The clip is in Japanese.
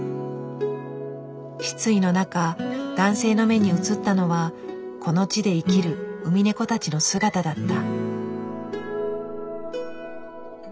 失意の中男性の目に映ったのはこの地で生きるウミネコたちの姿だった。